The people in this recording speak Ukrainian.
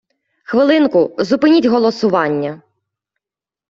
Хвилинку, зупиніть голосування!